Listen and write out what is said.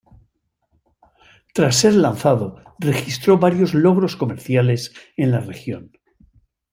Tras ser lanzado, registró varios logros comerciales en la región.